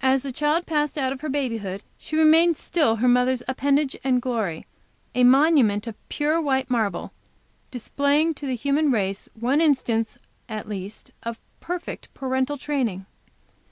As the child passed out of her babyhood, she remained still her mother's appendage and glory; a monument of pure white marble, displaying to the human race one instance at least of perfect parental training.